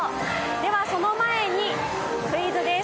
ではその前に、クイズです。